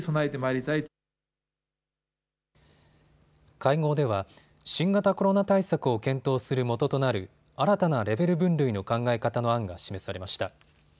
会合では新型コロナ対策を検討するもととなる新たなレベル分類の考え方の案が示されました。